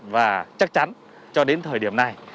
và chắc chắn cho đến thời điểm này